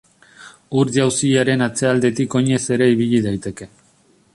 Ur-jauziaren atzealdetik oinez ere ibili daiteke.